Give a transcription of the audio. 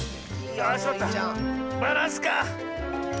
バランスか！